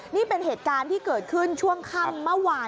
นี่เป็นเหตุการณ์ที่เกิดขึ้นช่วงค่ำเมื่อวาน